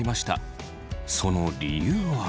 その理由は。